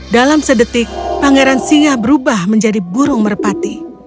dalam sedetik pangeran singa berubah menjadi burung merpati